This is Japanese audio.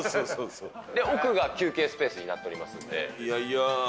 奥が休憩スペースになっておいやいや。